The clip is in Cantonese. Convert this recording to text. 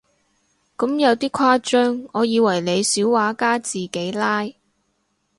咁有啲誇張，我以為你小畫家自己拉